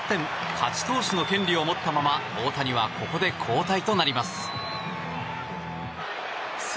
勝ち投手の権利を持ったまま大谷はここで交代となります。